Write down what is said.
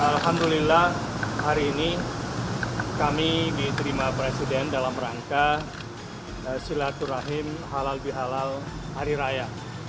alhamdulillah hari ini kami diterima presiden dalam rangka silaturahim halal bihalal hari raya